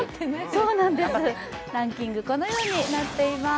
ランキングはこのようになっています。